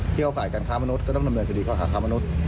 ที่เข้าข่ายการค้ามนุษย์ก็ต้องดำเนินคดีค่าค้ามนุษย์